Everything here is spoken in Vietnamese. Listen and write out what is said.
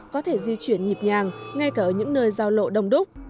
có thể di chuyển nhịp nhàng ngay cả ở những nơi giao lộ đông đúc